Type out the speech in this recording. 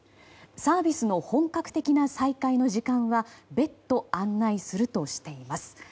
サービスの本格的な再開の時間は別途案内するとしています。